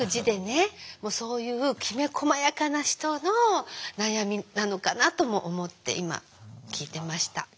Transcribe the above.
そういうきめこまやかな人の悩みなのかなとも思って今聞いてました。